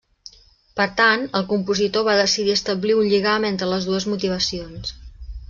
Per tant, el compositor va decidir establir un lligam entre les dues motivacions.